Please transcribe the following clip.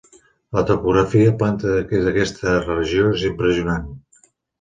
La topografia planta d'aquesta regió és impressionant.